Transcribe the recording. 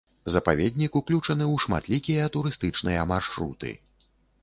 Запаведнік уключаны ў шматлікія турыстычныя маршруты.